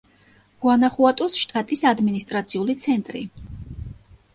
გუანახუატოს შტატის ადმინისტრაციული ცენტრი.